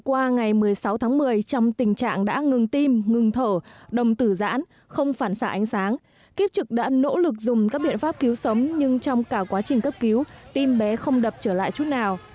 hôm qua ngày một mươi sáu tháng một mươi trong tình trạng đã ngừng tim ngừng thở đồng tử giãn không phản xạ ánh sáng kiếp trực đã nỗ lực dùng các biện pháp cứu sống nhưng trong cả quá trình cấp cứu tim bé không đập trở lại chút nào